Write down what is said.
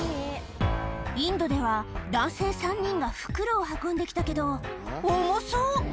インドでは男性３人が袋を運んで来たけど重そう！